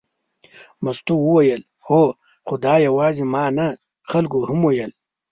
مستو وویل هو، خو دا یوازې ما نه خلکو هم ویل.